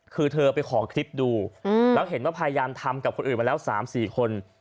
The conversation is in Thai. คือเธอไปขอคลิปดูแล้วเห็นว่าพยายามทำกับคนอื่นมาแล้ว๓๔คน